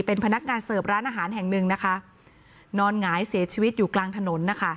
เป็นพนักงานเสิร์ฟร้านอาหารแห่งหนึ่งนะคะนอนหงายเสียชีวิตอยู่กลางถนนนะคะ